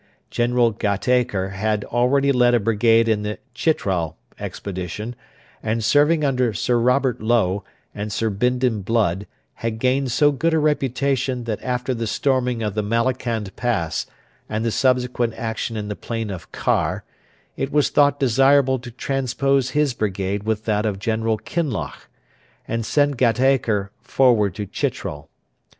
General Gatacre had already led a brigade in the Chitral expedition, and, serving under Sir Robert Low and Sir Bindon Blood had gained so good a reputation that after the storming of the Malakand Pass and the subsequent action in the plain of Khar it was thought desirable to transpose his brigade with that of General Kinloch, and send Gatacre forward to Chitral.